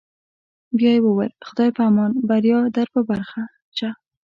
بیا یې وویل: خدای په امان، بریا در په برخه شه.